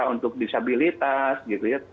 untuk disabilitas gitu ya